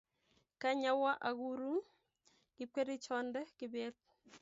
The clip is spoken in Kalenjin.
kany awa akuru kipkerichonde Kibet